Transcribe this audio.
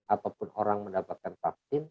ataupun orang mendapatkan vaksin